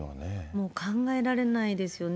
もう考えられないですよね。